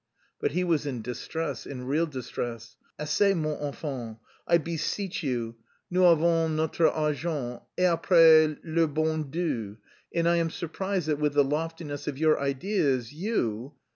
But he was in distress, in real distress. "Assez, mon enfant, I beseech you, nous avons notre argent et après, le bon Dieu. And I am surprised that, with the loftiness of your ideas, you...